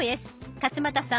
勝俣さん